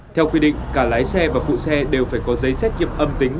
theo quy định cả lái xe và phụ xe đều phải có giấy xét nghiệm âm tính